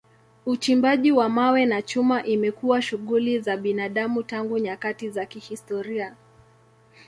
Uchimbaji wa mawe na chuma imekuwa shughuli za binadamu tangu nyakati za kihistoria.